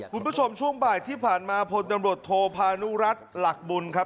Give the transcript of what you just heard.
คุณผู้ชมช่วงบ่ายที่ผ่านมาพลตำรวจโทพานุรัติหลักบุญครับ